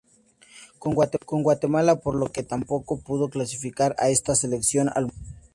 Con Guatemala, por lo que tampoco pudo clasificar a esta selección, al mundial.